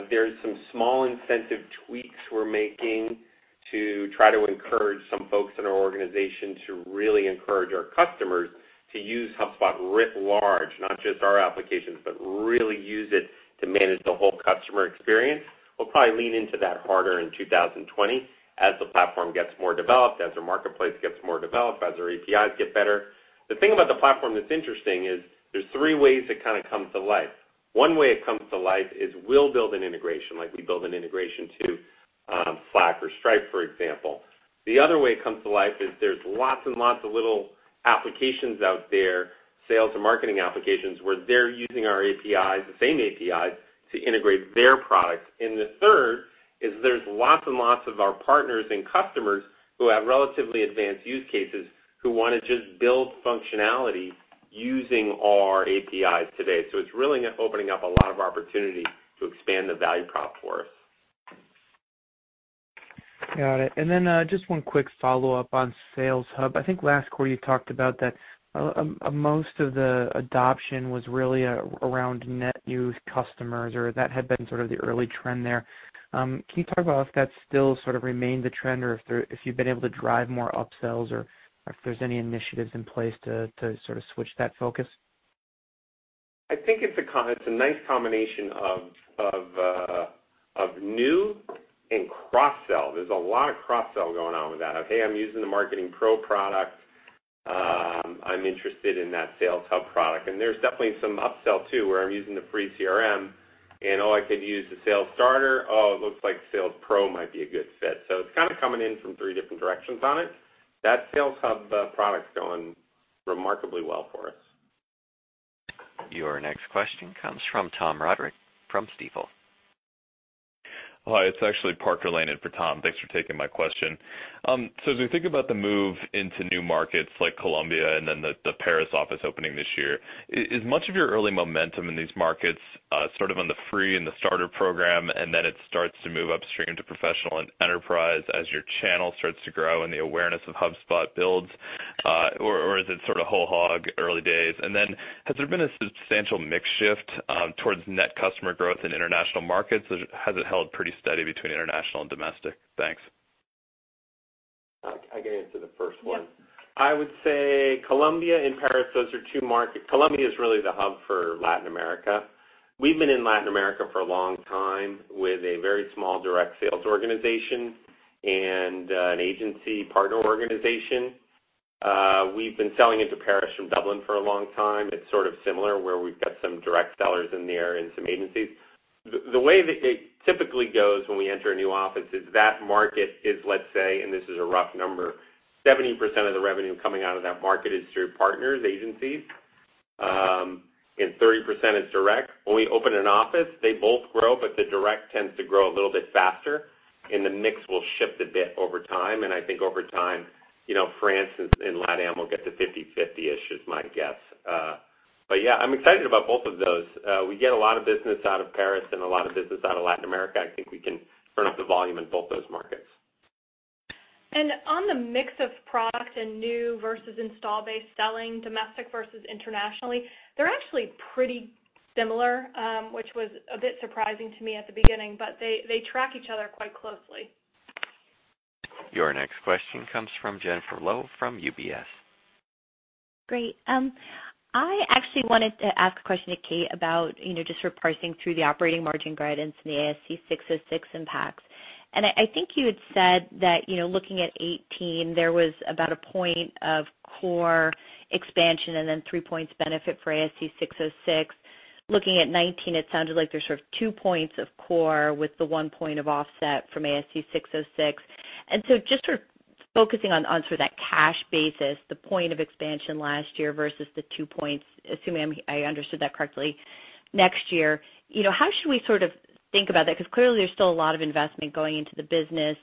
There's some small incentive tweaks we're making to try to encourage some folks in our organization to really encourage our customers to use HubSpot writ large, not just our applications, but really use it to manage the whole customer experience. We'll probably lean into that harder in 2020 as the platform gets more developed, as our marketplace gets more developed, as our APIs get better. The thing about the platform that's interesting is there's three ways it kind of comes to life. One way it comes to life is we'll build an integration, like we build an integration to Slack or Stripe, for example. The other way it comes to life is there's lots and lots of little applications out there, sales and marketing applications, where they're using our APIs, the same APIs, to integrate their product. The third is there's lots and lots of our partners and customers who have relatively advanced use cases who want to just build functionality using our APIs today. It's really opening up a lot of opportunity to expand the value prop for us. Got it. Then, just one quick follow-up on Sales Hub. I think last quarter you talked about that most of the adoption was really around net new customers, or that had been sort of the early trend there. Can you talk about if that still sort of remained the trend, or if you've been able to drive more up-sells or if there's any initiatives in place to sort of switch that focus? I think it's a nice combination of new and cross-sell. There's a lot of cross-sell going on with that. "Okay, I'm using the Marketing Pro product. I'm interested in that Sales Hub product." There's definitely some up-sell too, where I'm using the free CRM, and, "Oh, I could use the Sales Starter. Oh, it looks like Sales Pro might be a good fit." It's kind of coming in from three different directions on it. That Sales Hub product's going remarkably well for us. Your next question comes from Tom Roderick from Stifel. Hi, it's actually Parker Lane for Tom. Thanks for taking my question. As we think about the move into new markets like Colombia and then the Paris office opening this year, is much of your early momentum in these markets sort of on the free and the starter program, then it starts to move upstream to professional and enterprise as your channel starts to grow and the awareness of HubSpot builds? Or is it sort of whole hog early days? Then, has there been a substantial mix shift towards net customer growth in international markets, or has it held pretty steady between international and domestic? Thanks. I can answer the first one. I would say Colombia and Paris, those are two market. Colombia is really the hub for Latin America. We've been in Latin America for a long time with a very small direct sales organization and an agency partner organization. We've been selling into Paris from Dublin for a long time. It's sort of similar, where we've got some direct sellers in there and some agencies. The way that it typically goes when we enter a new office is that market is, let's say, and this is a rough number, 70% of the revenue coming out of that market is through partners, agencies, and 30% is direct. When we open an office, they both grow, but the direct tends to grow a little bit faster, and the mix will shift a bit over time. I think over time, France and Latin Am will get to 50/50-ish, is my guess. Yeah, I'm excited about both of those. We get a lot of business out of Paris and a lot of business out of Latin America. I think we can turn up the volume in both those markets. On the mix of product and new versus install-based selling, domestic versus internationally, they're actually pretty similar, which was a bit surprising to me at the beginning, but they track each other quite closely. Your next question comes from Jennifer Lowe from UBS. Great. I actually wanted to ask a question to Kate about just sort of parsing through the operating margin guidance and the ASC 606 impacts. I think you had said that, looking at 2018, there was about one point of core expansion and then three points benefit for ASC 606. Looking at 2019, it sounded like there's sort of two points of core with the one point of offset from ASC 606. Just sort of focusing on sort of that cash basis, the one point of expansion last year versus the two points, assuming I understood that correctly, next year. How should we sort of think about that? Because clearly, there's still a lot of investment going into the business.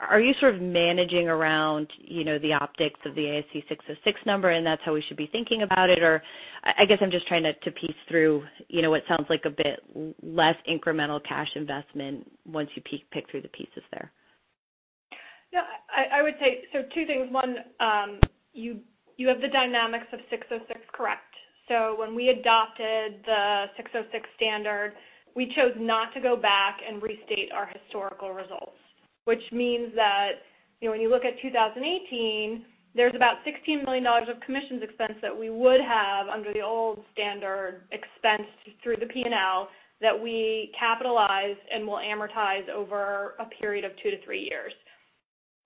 Are you sort of managing around the optics of the ASC 606 number, and that's how we should be thinking about it? I guess I'm just trying to piece through what sounds like a bit less incremental cash investment once you pick through the pieces there. Yeah, I would say two things. One. You have the dynamics of 606 correct. When we adopted the 606 standard, we chose not to go back and restate our historical results, which means that when you look at 2018, there's about $16 million of commissions expense that we would have under the old standard expensed through the P&L that we capitalize and will amortize over a period of two to three years.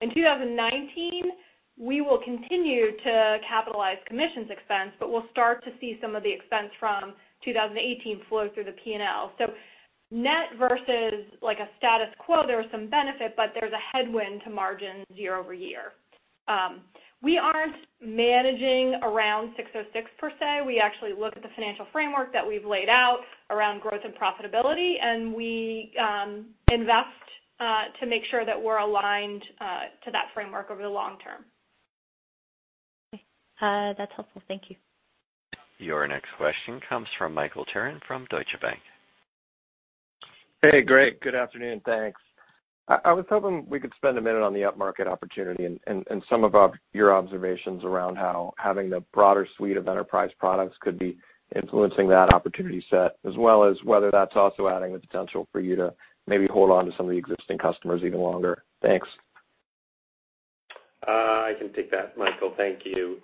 In 2019, we will continue to capitalize commissions expense, but we'll start to see some of the expense from 2018 flow through the P&L. Net versus like a status quo, there was some benefit, but there's a headwind to margin year-over-year. We aren't managing around 606 per se. We actually look at the financial framework that we've laid out around growth and profitability, and we invest to make sure that we're aligned to that framework over the long-term. Okay. That's helpful. Thank you. Your next question comes from Michael Turrin from Deutsche Bank. Hey, great. Good afternoon. Thanks. I was hoping we could spend a minute on the up-market opportunity and some of your observations around how having the broader suite of enterprise products could be influencing that opportunity set, as well as whether that's also adding the potential for you to maybe hold on to some of the existing customers even longer. Thanks. I can take that, Michael. Thank you.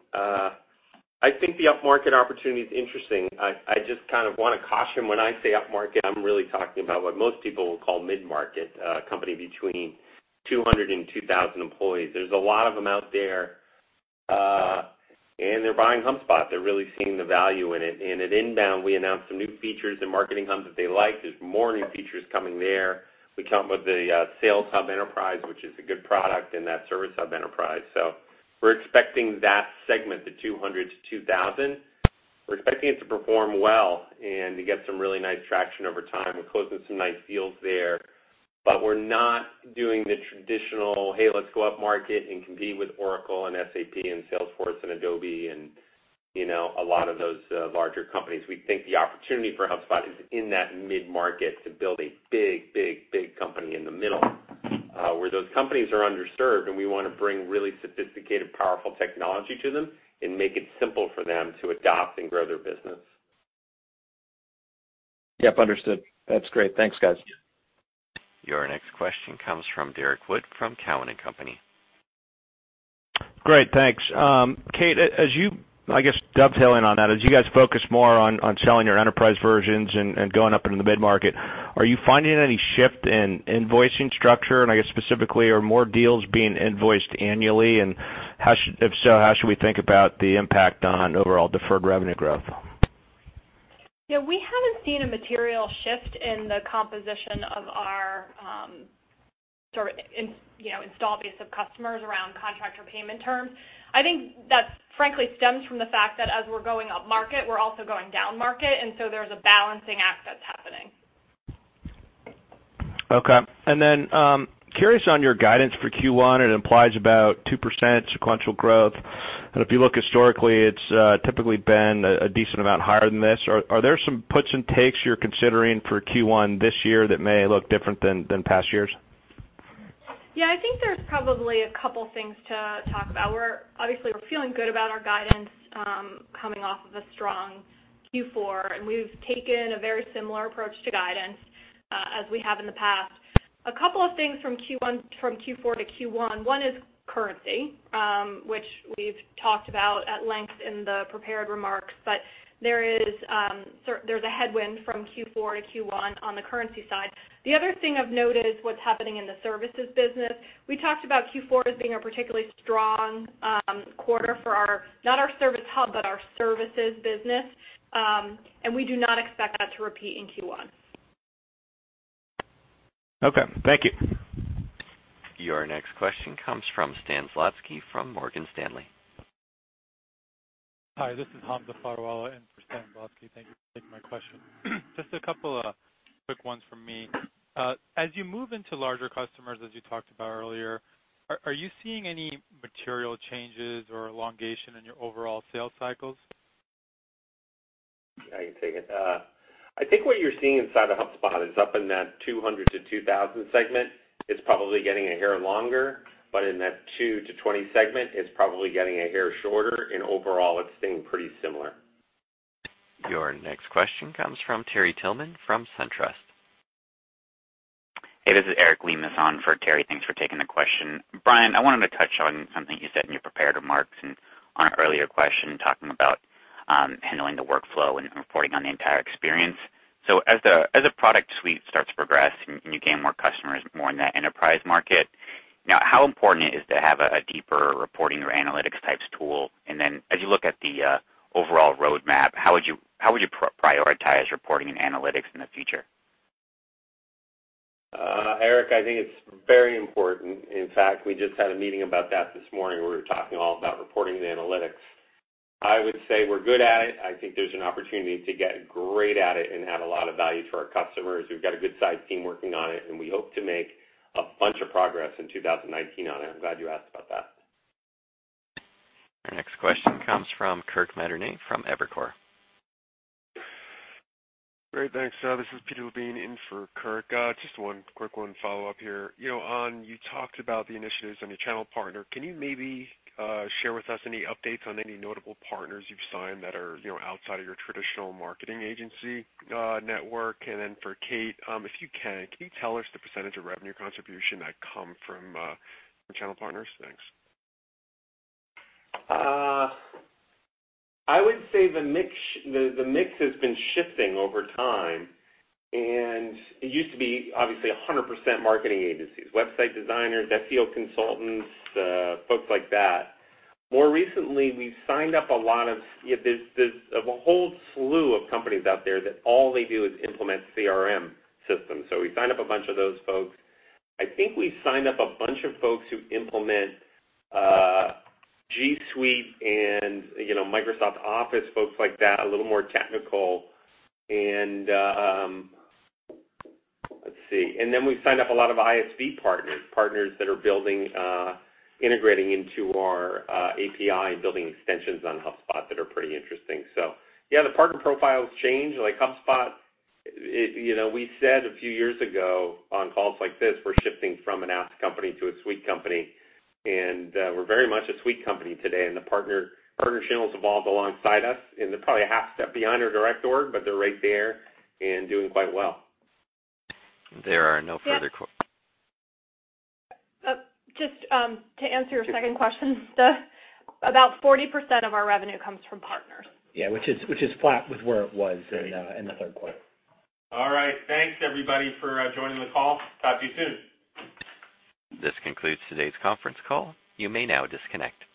I think the up-market opportunity is interesting. I just kind of want to caution you, when I say up-market, I'm really talking about what most people would call mid-market, a company between 200 and 2,000 employees. There's a lot of them out there, and they're buying HubSpot. They're really seeing the value in it. At INBOUND, we announced some new features in Marketing Hub that they like. There's more new features coming there. We come with the Sales Hub Enterprise, which is a good product, and that Service Hub Enterprise. We're expecting that segment, the 200-2,000, we're expecting it to perform well and to get some really nice traction over time. We're closing some nice deals there, we're not doing the traditional, "Hey, let's go upmarket and compete with Oracle and SAP and Salesforce and Adobe," and a lot of those larger companies. We think the opportunity for HubSpot is in that mid-market to build a big company in the middle, where those companies are underserved, and we want to bring really sophisticated, powerful technology to them and make it simple for them to adopt and grow their business. Yep, understood. That's great. Thanks, guys. Your next question comes from Derrick Wood from Cowen and Company. Great, thanks. Kate, as you, I guess, dovetailing on that, as you guys focus more on selling your enterprise versions and going up into the mid-market, are you finding any shift in invoicing structure? I guess specifically, are more deals being invoiced annually? If so, how should we think about the impact on overall deferred revenue growth? Yeah, we haven't seen a material shift in the composition of our sort of install base of customers around contractor payment terms. I think that frankly stems from the fact that as we're going upmarket, we're also going downmarket, so there's a balancing act that's happening. Okay. Then, curious on your guidance for Q1. It implies about 2% sequential growth. If you look historically, it's typically been a decent amount higher than this. Are there some puts and takes you're considering for Q1 this year that may look different than past years? Yeah, I think there's probably a couple things to talk about. Obviously, we're feeling good about our guidance coming off of a strong Q4, we've taken a very similar approach to guidance as we have in the past. A couple of things from Q4 to Q1. One is currency, which we've talked about at length in the prepared remarks, there's a headwind from Q4 to Q1 on the currency side. The other thing of note is what's happening in the services business. We talked about Q4 as being a particularly strong quarter for, not our Service Hub, but our services business. We do not expect that to repeat in Q1. Okay. Thank you. Your next question comes from Stan Zlotsky from Morgan Stanley. Hi, this is Hamza Fodderwala in for Stan Zlotsky. Thank you for taking my question. Just a couple of quick ones from me. As you move into larger customers, as you talked about earlier, are you seeing any material changes or elongation in your overall sales cycles? I can take it. I think what you're seeing inside of HubSpot is up in that 200-2,000 segment. It's probably getting a hair longer, but in that 2-20 segment, it's probably getting a hair shorter, and overall, it's staying pretty similar. Your next question comes from Terry Tillman from SunTrust. Hey, this is Eric Rambo on for Terry. Thanks for taking the question. Brian, I wanted to touch on something you said in your prepared remarks and on an earlier question, talking about handling the workflow and reporting on the entire experience. As the product suite starts to progress and you gain more customers more in that enterprise market, now how important is it to have a deeper reporting or analytics types tool? As you look at the overall roadmap, how would you prioritize reporting and analytics in the future? Eric, I think it's very important. In fact, we just had a meeting about that this morning, where we were talking all about reporting and analytics. I would say we're good at it. I think there's an opportunity to get great at it and add a lot of value to our customers. We've got a good-sized team working on it, and we hope to make a bunch of progress in 2019 on it. I'm glad you asked about that. Our next question comes from Kirk Materne from Evercore. Great. Thanks. This is Peter Levine in for Kirk. Just one quick follow-up here. On you talked about the initiatives on your channel partner. Can you maybe share with us any updates on any notable partners you've signed that are outside of your traditional marketing agency network? And then for Kate, if you can you tell us the percentage of revenue contribution that come from channel partners? Thanks. I would say the mix has been shifting over time, and it used to be obviously 100% marketing agencies, website designers, SEO consultants, folks like that. More recently, there's a whole slew of companies out there that all they do is implement CRM systems. We signed up a bunch of those folks. I think we signed up a bunch of folks who implement G Suite and Microsoft Office, folks like that, a little more technical. Let's see. Then we've signed up a lot of ISV partners that are integrating into our API and building extensions on HubSpot that are pretty interesting. Yeah, the partner profiles change, like HubSpot. We said a few years ago on calls like this, we're shifting from an apps company to a suite company. We're very much a suite company today. The partner channels evolved alongside us. They're probably a half step behind our direct org, but they're right there and doing quite well. There are no further. Just to answer your second question, about 40% of our revenue comes from partners. Yeah, which is flat with where it was in the third quarter. All right. Thanks everybody for joining the call. Talk to you soon. This concludes today's conference call. You may now disconnect.